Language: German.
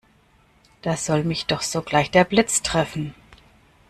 Da soll mich doch sogleich der Blitz treffen!